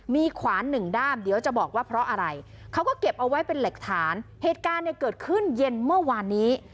มีขวานหนึ่งด้ามเดี๋ยวจะบอกว่าเพราะอะไรเขาก็เก็บเอาไว้เป็นหลักฐานเหตุการณ์เนี่ยเกิดขึ้นเย็นเมื่อวานนี้